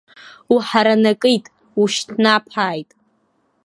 Уҳаранакит, ушьҭнаԥааит!